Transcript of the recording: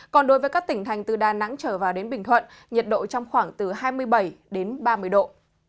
còn đối với các tỉnh thành từ đà nẵng trở vào đến bình thuận nhiệt độ trong khoảng từ hai mươi bảy ba mươi độ